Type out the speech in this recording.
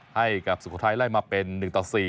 ให้กับสุโขทัยไล่มาเป็น๑ต่อ๔